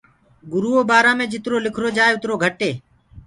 گُرو بآرآ مي جِترو لِکرو جآئي اُترو گھٽ هي۔